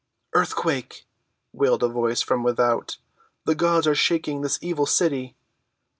"Earthquake!" wailed a voice from without. "The gods are shaking this evil city!"